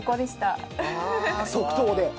即答で？